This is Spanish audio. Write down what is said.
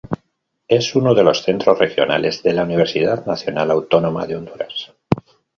Es uno de los centros regionales de la Universidad Nacional Autónoma de Honduras.